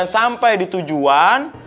dan sampai di tujuan